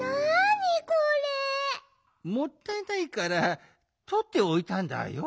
もったいないからとっておいたんだよ。